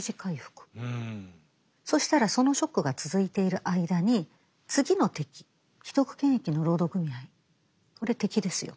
そしたらそのショックが続いている間に次の敵既得権益の労働組合これ敵ですよと。